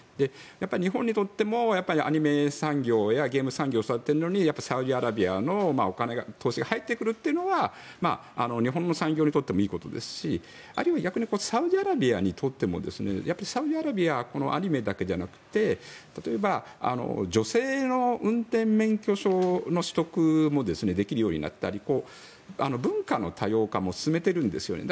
日本にとってもアニメ産業やゲーム産業を育てるのにサウジアラビアの投資が入ってくるというのは日本の産業にとってもいいことですしあるいは逆にサウジアラビアにとってもサウジアラビアはこのアニメだけじゃなくて例えば女性の運転免許証の取得もできるようになったり文化の多様化も進めているんですよね。